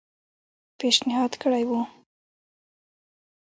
پېشنهاد کړی وو.